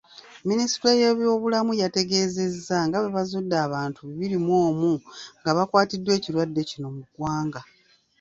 Minisitule y'ebyobulamu yategeezezza nga bwe bazudde abantu bibiri mu omu nga bakwatiddwa ekirwadde kino mu ggwanga.